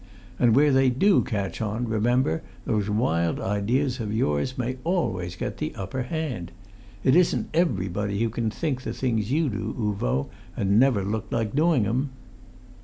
And where they do catch on, remember, those wild ideas of yours may always get the upper hand. It isn't everybody who can think the things you do, Uvo, and never look like doing 'em!"